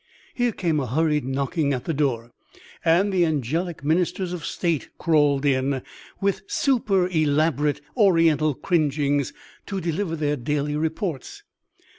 Here came a hurried knocking at the door, and the angelic ministers of state crawled in, with super elaborate oriental cringings, to deliver their daily reports.